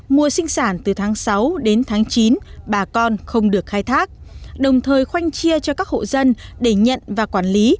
mùa sinh sản từ tháng sáu đến tháng chín bà con không được khai thác đồng thời khoanh chia cho các hộ dân để nhận và quản lý